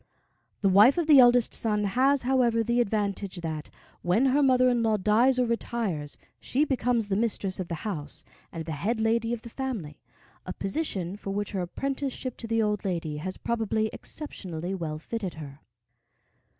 The wife of the oldest son has, however, the advantage that, when her mother in law dies or retires, she becomes the mistress of the house and the head lady of the family, a position for which her apprenticeship to the old lady has probably exceptionally well fitted her.